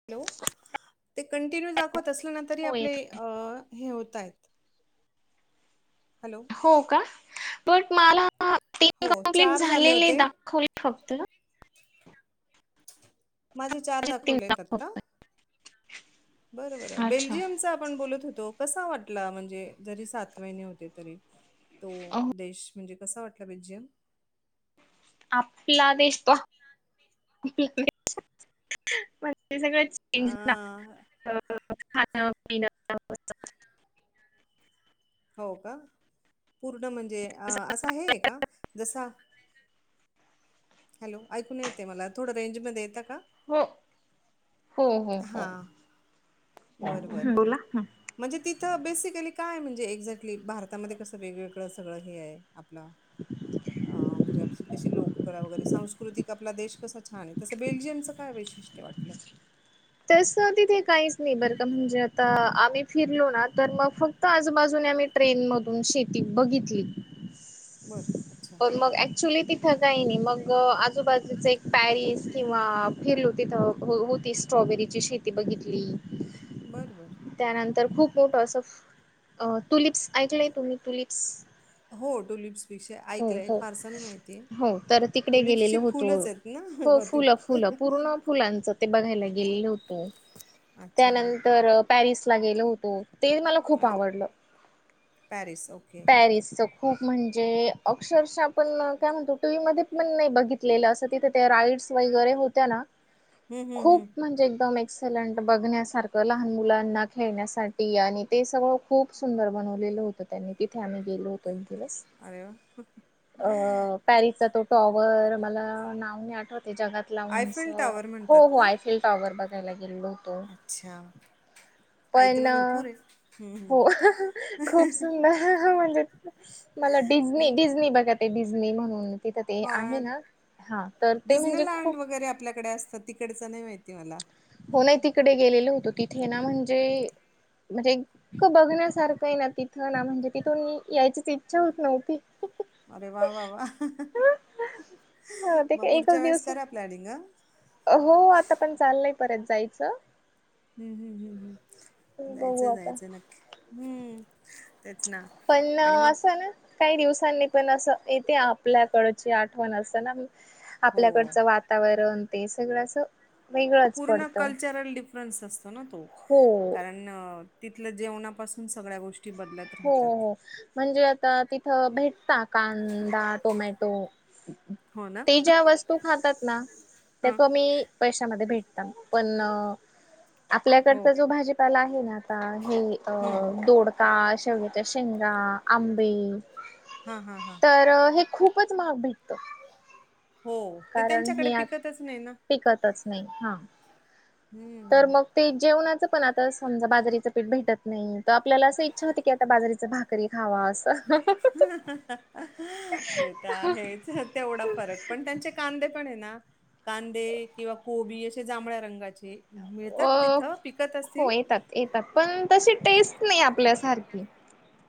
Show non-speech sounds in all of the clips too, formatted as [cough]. Hello.... ते continue दाखवत असलं ना, तरी हो आपले येत हे होत आहेत. हॅलो..... हो... का बट मला तीन हो कम्प्लीट चार झाले झालेले होते दाखवले. फक्त. माझे चार तीन दाखवलेत आत्ता. दाखवत बरं... -बरं... अच्छा बेल्जियमचा, आपण बोलत होतो. कसा वाटला, म्हणजे जरी सात महिने होते. तरी तो अहो, देश. म्हणजे कसा वाटला? बेल्जियम. आपला देश तो. [unintelligible] म्हण सगळ [inaudible] अ हो, का पूर्ण म्हणजे, असं हेय का जसा हॅलो, ऐकून येते मला थोडं रेंज मध्ये येतं का? हो... - हो... -हो... -हो... हां बरं... - बरं... हं, - बरं... बोला म्हणजे, तिथं बेसिकली काय म्हणजे? एक्झॅक्टली भारतामध्ये कसं वेगवेगळं सगळं हे आहे. [unintelligible] अ... म्हणजे कशी लोक करा वगैरे, सांस्कृतिक आपला देश कसा छान आहे. तसं बेल्जियमचं काय वैशिष्ट्य वाटलं? तसं, तिथे काहीच नाही. बरं म्हणजे तर आम्ही फिरलो ना. तर मग फक्त आजूबाजूने आम्ही ट्रेन मधून शेती बघितली. बरं अच्छा पण मग अँक् क्च्युली तिथं काही नाही. मग आजूबाजूच एक पॅरिस किंवा फिरलू तिथं होतीस. स्ट्रॉबेरी ची शेती बघितली. बरं.. बरं... त्यानंतर खूप मोठं असं, टुलिप्स ऐकलंय तुम्ही? टुलिप्स हो... टुलिप्स, विषय ऐकलाय हो फारसा नाही माहिती हो तर तिकडे टुलिप्सची गेलेलो होतो फुलंच आहेत? हो ना त फुलं फुलं पूर्ण ह [inaudible] फुलांचं ते बघायला गेलेलं होत. अच्छा. त्यानंतर पॅरिसला गेलो होतो. ते मला खूप अरे, आवडलं. पॅरिस! ओके पॅरिसचं खूप म्हणजे अक्षरशः आपण काय म्हणतो. टीव्ही मध्ये पण नाही बघितलेलं. असं तिथे त्या राईड्स वगैरे होत्या ना हम्म हम्म खूप हम्म म्हणजे एकदम एक एक्सेलेंट बघण्यासारखं लहान मुलांना खेळण्यासाठी आणि ते सगळं खूप सुंदर बनवलेलं होतं. त्यांनी तिथे आम्ही गेलो होतो. एक दिवस अरे व्वा! अ पॅरिसचा तो टॉवर मला नाव नाही आठवत ए जगात ला उंच आयफेल टॉवर हो म्हणतात हो का? आयफिल टॉवर बघायला गेलेलो होतो. अच्छा. पण, ऐकायला भरपूर आहे. हम्म. हो खूप सुंदर म्हणजे मला डिझनी यू डिझनी बघा ते डिझनी म्हणून तिथं ते ह आहे ना हा तर ते डीझनी म्हणजे लँड खूप वगैरे आपल्याकडे असत. तिकडचं नाही माहिती मला. हो नाही, तिकडे गेलेलो होतो. तिथे ना म्हणजे, म्हणजे इतकं बघण्यासारखं आहे ना तिथं ना म्हणजे तिथून यायचीच इच्छा होत नव्हती. अरे वा वा वा! ह ते मग काय एकच पुढच्या वेळेस दिवस करा प्लॅनिंग अ हो आता पण चाललंय परत जायचं हम्म हम्म हम्म हम्म बघू जायचं आता जायचं नक्की हम्म तेच ना पण आणि मग असं ना काही दिवसांनी पण असं येते आपल्याकडची आठवण असं ना हो. आपल्याकडचं वातावरण ते सगळं असं वेगळंच पूर्ण पडतं. कल्चरल डिफरन्स असतो ना तो. हो न तिथलं जेवणापासून सगळ्या गोष्टी बदलात हो हो म्हणजे आता तिथं भेटता कांदा टोमॅटो हो ना? ते ज्या वस्तू खातात ना. त्या हां. कमी पैशामध्ये भेटतात. पण, हो. आपल्याकडचा जो भाजीपाला आहे ना. आता, हे अ हं. दोडका शे वग्याच्या शेंगा आंबे हां, हां, हां. तर हे खूपच महाग भेटतं. हो, ते त्यांच्याकडे आत पिकतचं नाही ना. पिकतच नाही हा तर हं. मग ते जेवणाचं पण आता समजा, बाजरीचं पीठ भेटत नाही. तर आपल्याला असं इच्छा होती. की, आता बाजारीच भाकरी खावा. असं ते तर आहेच. तेवढा फरक पण त्यांचे कांदे पण आहे ना. कांदे किंवा कोबी असे जांभळ्या रंगाचे मिळतात अ, तिथं पिकत असतील. हो येतात, येतात पण तशी टेस्ट नाही आपल्यासारखी.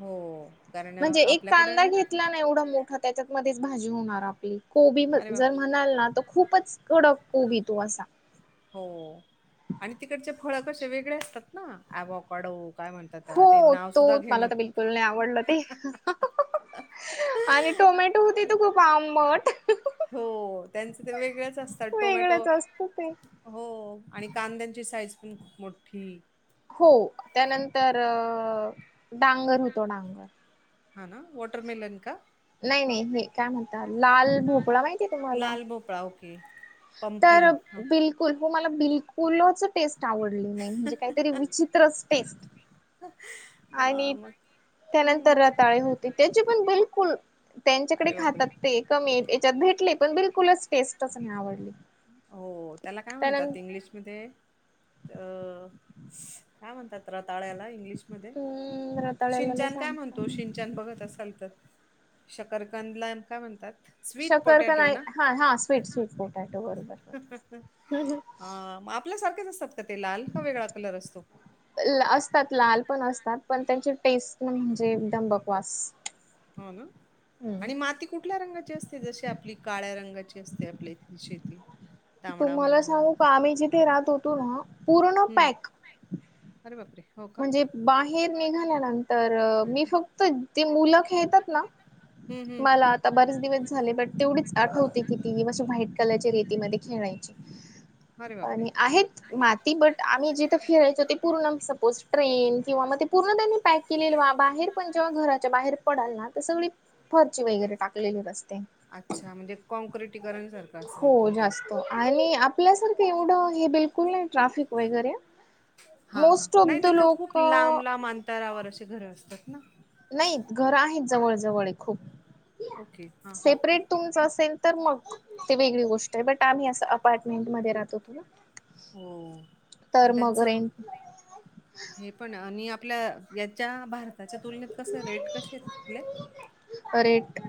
हो, कारण म्हणजे एक आपल्याकडे कांदा घेतला ना, एवढा मोठा त्याच्यात मध्ये भाजी होणार आपली. कोबी अरे जर बापरे! म्हणाल ना, तर खूपच कडक कोबी तो असा. हो, आणि तिकडचे फळ कसे वेगळे असतात ना, अँवाकाडो. हो, तो मला तर बिलकुल नाही आवडलं ते. आणि टोमॅटो हुतेत खूप आंबट. हो, त्यांचं ते वेगळच असतात टोमॅटो. वेगळंच असतं ते हो, आणि कांद्यांची साईज पण खूप मोठी. हो, त्यानंतर डांगर होतो डांगर. हा ना, वॉटरमेलन का? नाही, नाही हे काय म्हणता, लाल भोपळा माहित. लाल भोपळा ओके. तर पंपकिन हा बिलकुल, हो मला बिलकुलच टेस्ट आवडली नाही, म्हणजे कायतरी विचित्रच टेस्ट. [unintelligible] आणि मग त्यानंतर हम्म रताळे होते, त्याचे पण बिलकुल. त्यांच्याकडे अरे बापरे खातात ते, कमी हेच्यात भेटले पण बिलकुलच टेस्टच नाय आवडली. हो, त्याला काय म्हणतात त्यानंतर इंग्लिशमध्ये? अ, काय म्हणतात रताळ्याला इंग्लिश? मध्ये, हम्म रताळ्याला नाही शिनच्यान काय सांगता म्हणतो. शिन बघत असाल तर, शकरकंदलान काय म्हणतात? स्वीट शकर का पोटॅटो नाही, हा हा स्वीट, स्वीट पोटॅटो. बरोबर. अ, आपल्यासारखेच असतात का ते लाल, का वेगळा कलर असतो? ल, असतात लाल पण असतात, पण त्याची टेस्ट म्हणजे एकदम बकवास. हो ना, आणि माती कुठल्या रंगाची असते गं, जशी आपली काळ्या रंगाची असते आपल्या इथली शेती. तांबडा तुम्हाला म्हणाला सांगू का आम्ही जिथे राहत होतो ना, पूर्ण हम्म पॅक. अरे बाप रे. म्हणजे, बाहेर निघाल्यानंतर, मी फक्त ती मुलं खेतात ना. हम्म हम्म मला. आता बरेच दिवस झाले बट, तेवढीच आठवते की ती मी व्हाईट कलरची रेतीमध्ये खेळायची. अरे बापरे आणि आहेत माती, बट आम्ही जिथ खेळायचो ते पूर्ण सपोस्ट. ट्रेन किंवा मग ते पूर्ण त्येनी पॅक केलेल वा बाहेर पण जेव्हा घराच्या बाहेर पडाल ना तर सगळी फर्ची वगैरे टाकलेले रस्ते. अच्छा, म्हणजे कॉँक्रिटीकरण करत असलं हो तिथून ते. जास्त आणि आपल्यासारखं एवढं हे बिलकुल नाही ट्रॅफिक वगैरे. हा, हा मोस्ट ऑफ नाही द तिथं खूप लोक लांब -लांब अंतरावर असे घरं असतात ना. नाहीत, घर आहेत जवळ- जवळ खूप. ओके हां हां सेपरेट तुमच असेल तर मग ती वेगळी गोष्ट हाय, बट आम्ही असं अपार्टमेंट मध्ये राहत होतो ना. हो, तर आणि मग त्याचं रेंट हे पण आणि आपल्या याच्या भारताच्या तुलनेत कसं रेट कसेत आपले? रेट,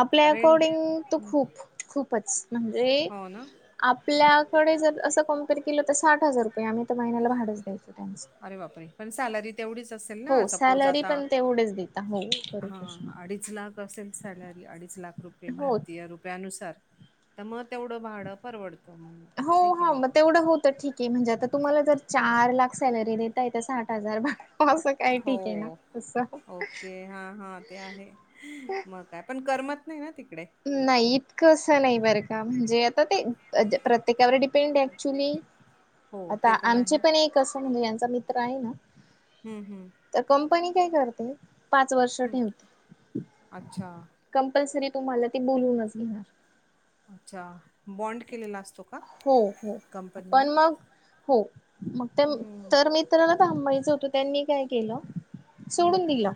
आपल्या अकॉर्डिंग तू खूप, खूप. म्हणजे हो ना आपल्याकडे जर अस कमपेअर केलं तर साठ हजार प, आम्ही तर महिन्याला भाडच द्यायचो त्यांचं. अरे बापरे पण सॅलरी तेवढीच. ना हो सपोज सॅलरी आता पण तेवढेच देता हो. हा बरोबर अडीच लाख असेल सॅलरी अडीच लाख रुपये हो. भारतीय रुपयानुसार. तर मग तेवढ भाड परवडत. हो हो मग. तेवढं होतं ठीक आहे म्हणजे आता तुम्हाला जर चार लाख सॅलरी देता येत साठ हजार. असं काय हो ठीक आहे ना तसं. ओके हा हा. ते आहे मग काय, पण करमत नाही ना तिकडे. नाही इतकंसं नाही बरं का म्हणजे आता ते प्रत्येकावर डिपेंड ऍक्च्युली. [unintelligible] आता ते आमचे आहे. पण एक असं म्हणजे यांचा मित्र आहे ना. हम्म हम्म. तर कंपनी काय करते पाच वर्ष हं. ठेवते. अच्छा, कंपल्सरी तुम्हाला ते बोलूनच घेणार. अच्छा, बॉन्ड केलेला असतो का? हो हो पण कंपनीने? मग हो मग ते हं, तर मी. तरला थांबायचं होतं त्यांनी काय केल. हं. सोडून दिला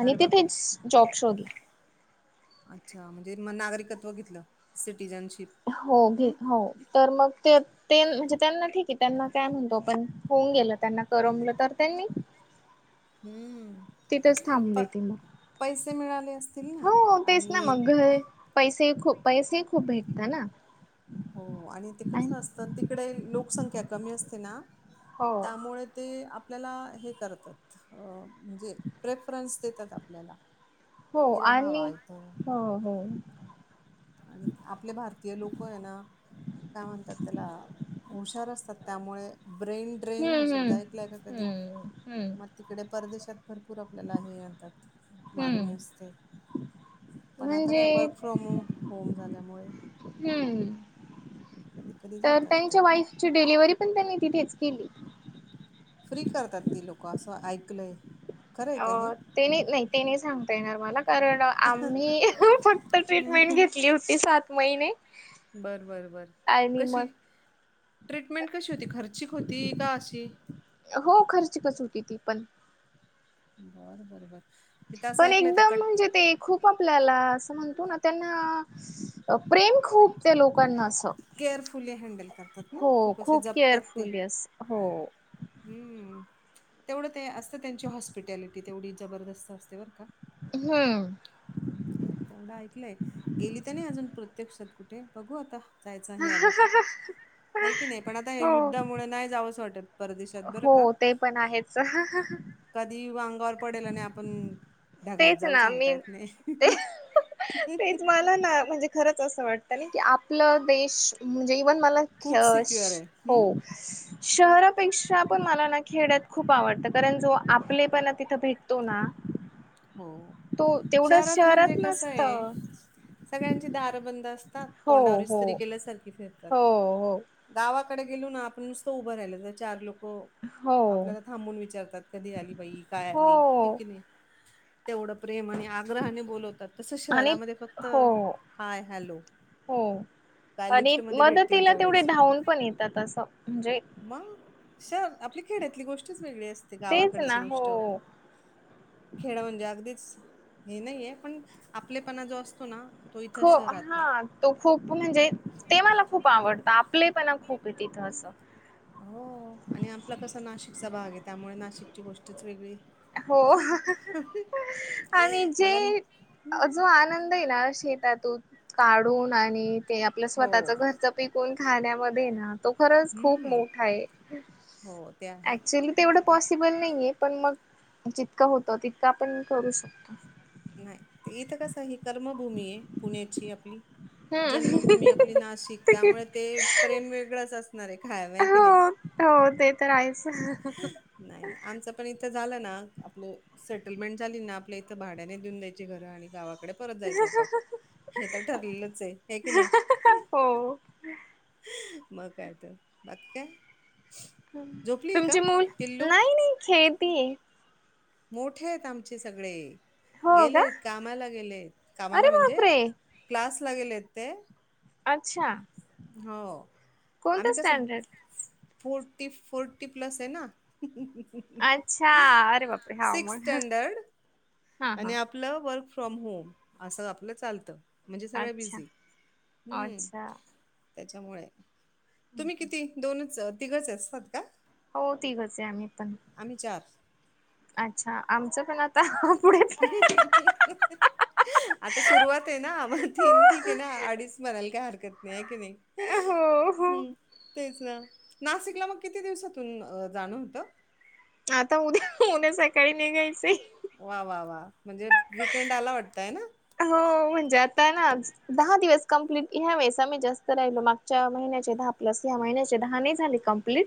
आणि अरे बापरे! तेथेच जॉब शोधला. अच्छा म्हणजे म नागरिकत्व घेतलं सिटिझनशिप. हो घ हं, हो तर मग ते. ते म्हणजे त्यांना ठीक आहे त्यांना काय म्हणतो आपण होऊन गेल त्यांना करमलं तर त्यांनी... हम्म, तिथेच प थांबले ते मग पैसे मिळाले असतील ना आणि.. पैसेही खूप पैसेही खूप भेटतात ना. हो आणि ते कसं असतं तिकडे लोकसंख्या कमी असते ना. हो त्यामुळे तेआ... आपल्याला हे करतात म्हणजे प्रेफरन्स देतात आपल्याला. हो कि आणि राहावा इथं हो हो. आणि आपले भारतीय लोक आहे ना. काय म्हणतात त्याला हुशार असतात त्यामुळे ब्रेन.. ट्रेन हा हम्म शब्द हम्म ऐकलाय का कधी हम्म मग हम्म तिकडे परदेशात. भरपूर आपल्याला हे येतात मागणी हम्म असते. पण आता म्हणजे काय वर्क फ्रॉम होम झाल्यामुळे. हम्म कधी कधी तर जातात ते त्यांच्या वाईफ. ची डिलिव्हरी पण त्यांनी तिथेच केली. फ्री करतात ती लोकं असं ऐकलय मी. अ तेने नाही तेने नाही सांगता येणार मला कारण.. आम्ही फक्त ट्री्रीटमेंट हम्म घेतली होती सात महिने. बरं बर बर आणि कशी. मग ट्रीटमेंट कशी होती खर्चिक होती का अशी? हो खर्ची कच होती ती पण. बरं बर बर. मी तर असं पण ऐकलं ते एकदम कट म्हणजे ते. खूप आपल्याला असं म्हणतो ना त्यांना प्रेम खूप त्या लोकांना असत. केअरफुली हँडल करतात ना हो, असे खूप जपतात ते केअरफुली अस हो. हम्म तेवढं ते असतं त्यांची हॉस्पिटॅलिटी तेवढी जबरदस्त असते बर का. हम्म तेवढं ऐकलंय गेली तर नाही अजून प्रत्यक्षात कुठे बघू आता जायचं हे आलं तर ऐ की नाही पण आता हे हो युद्धामुळे नाही जावंस वाटत परदेशात बरं का हो ते पण आहेच कधी अंगावर पडेल आणि आपण ढगात तेच जाऊ ना सांगता मी येत नाही ते तेच मला ना म्हणजे खरंच असं वाटतं ना की आपलं देश म्हणजे इव्हन मला खूप सिक्युअर आहे ह् हो शहरापेक्षा पण मला ना खेड्यात खूप आवडतं कारण जो आपलेपणा तिथं भेटतो ना हो तो तेवढं शहरात म्हणजे नसत कसंय सगळ्यांची दारं बंद असतात हो तोंडावर हो इस्त्री केल्यासारखी फिरतात हो हो गावाकडे गेलो ना आपण नुसतं उभं राहिलं तर चार लोकं हो आपल्याला थांबून विचारतात कधी आली बाई काय आली हाय हो की नाही तेवढं प्रेम आणि आग्रहाने बोलवतात तसं आणि शहरामध्ये फक्त हो हाय हॅलो हो काय आणि लिफ्टमध्ये भेटतील मदतीला तेवढे तेवढेच. धावून पण येतात असं म्हणजे मंग शर आपली खेड्यातली गोष्टच वेगळी असते तेच गावाकडची ना गोष्ट हो खेडं म्हणजे अगदीच हे नाहीये पण आपलेपणा जो असतो ना तो इथं हो शहरात नाही हां तो खूप म्हणजे ते मला खूप आवडतं आपलेपणा खूप आहे तिथं असं हो आणि आपला कसा नाशिकचा भाग आहे त्यामुळे नाशिकची गोष्टच वेगळी हो आणि जे मला अजू जो आनंद आहे ना शेतातून काढून आणि ते आपलं हो स्वतःचं घरचं पिकून खाण्यामध्ये ना तो खरच खूप हम्म मोठा आहे हो ते आहे ऍक्चुली तेवढं पॉसिबल नाही आहे पण मग जितकां होतं तितकं आपण करू शकतो नाही इथं कस ही कर्मभूमी आहे पुण्याची आपली हम्म जन्मभूमी आपली नाशिक त्यामुळे ते प्रेम वेगळंच असणार आहे कायम आहे की हो नाही हो ते तर आहेच नाही नाही आमच पण इथं झालं ना आपलं सेटलमेंट झाली ना आपल्या इथं भाड्याने घेऊन द्यायची घरं आणि गावाकड परत जायच बाप्पा हे तर ठरलेलंच आहे हे की नाही हो. मग काय तर बाकी काय झोपलीये का तुमचे मूल पिल्लू? नाही नाही खेळतीय मोठे आहेत आमचे सगळे हो का गेलेत कामाला गेलेत अरे कामाला म्हणजे बापरे क्लासला गेलेत ते अच्छा हो कोणतं आम्ही कसं स्टँडर्ड? फोर्टी फोर्टी प्लस आहे ना अच्छा अरे बापरे! हा सिक्स् मग स्टँंडर्ड हा आणि हा. आपलं वर्क फ्रॉम होम, असं आपलं चालतं. म्हणजे सगळ्या अच्छा, बिझी, हम्म अच्छा. त्याच्यामुळे तुम्ही किती दोनच, तिघंच असतात का? हो, तिघच आहे आम्ही पण आम्ही चार अच्छा, आमचं पण आता पुढेच आहे [unintelligible] आता सुरुवात आहे ना, मग तीन ठीक आहे ना, अडीच म्हणाल काय हरकत. की नाही, हो, हो. हम्म तेच ना. नाशिकला मग किती दिवसातून जाणं होतं आता उद्या उद्या सकाळी निघायचंय वा वा वा म्हणजे वीकेंड आला वाटतं हे ना हो म्हणजे आता ना दहा दिवस कंप्लीट ह्या वेळेस आम्ही जास्त राहिलो मागच्या महिन्याचे दहा प्लस या महिन्याचे दहा नाही झाली कंप्लीट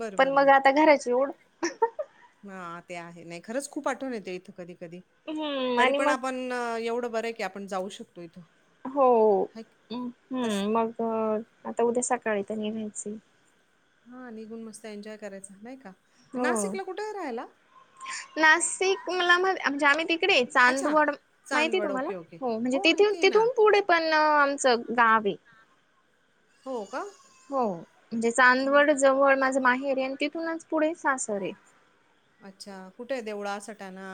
बरं पण बरं मग बर आता घराची ओढ ह ते आहे नाही खरंच खूप आठवण येत इथं कधी कधी हम्म तरी आणि पण मग आपण एवढं बरं हाय की आपण जाऊ शकतो इथं हो हाय की. हू तस मग आता उद्या सकाळी तर निघायचंय हा निघून मस्त एन्जॉय करायचा नाही का नाशिकला कुठ राहायला नाशिक मला म्हणजे आम्ही तिकडे अच्छा, चांदवड माहिती आहे चांदवड. तुम्हाला ओके, ओके. हो म्हणजे तिथून माहिती आहे ना. तिथून पुढे पण आमचं गाव हाय हो का हो म्हणजे मग चांदवड जवळ माझ माहेर हाय आणि तिथूनच पुढे सासर हाय अच्छा कुठ हाय यादेवळा सटाणा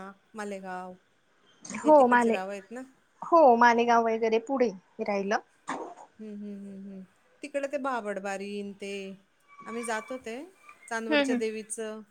मालेगाव हे हो तिकडचे माले गावं आहेत ना? हो मालेगाव वगैरे पुढे राहिलं हू हू हू हू तिकडे ते बाबडबारीन ते आम्ही जातो ते हम्म चांदवडच्या हम्म देवीचं